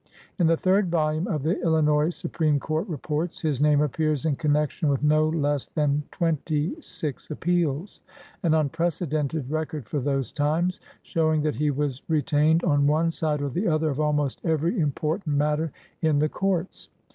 In the third volume of the Illi nois Supreme Court Reports his name appears in connection with no less than twenty six appeals — an unprecedented record for those times, showing that he was retained on one side or the other of almost every important matter in the courts.